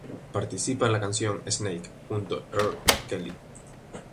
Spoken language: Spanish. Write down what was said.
Participa en la canción "Snake" junto R. Kelly.